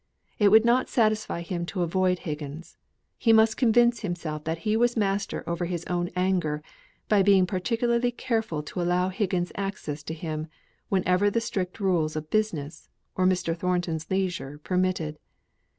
It would not satisfy him to avoid Higgins; he must convince himself that he was master over his own anger, by being particularly careful to allow Higgins access to him, whenever the strict rules of business, or Mr. Thornton's leisure permitted.